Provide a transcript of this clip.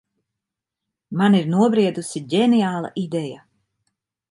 Man ir nobriedusi ģeniāla ideja.